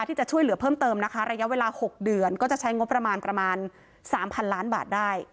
ที่จะช่วยเหลือเพิ่มเติมนะคะระยะเวลา๖เดือนก็จะใช้งบประมาณประมาณ๓๐๐๐ล้านบาทได้